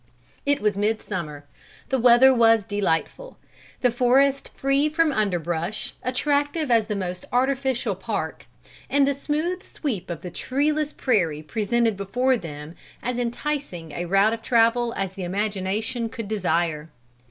It was mid summer. The weather was delightful. The forest free from underbrush, attractive as the most artificial park, and the smooth sweep of the treeless prairie presented before them as enticing a route of travel as the imagination could desire.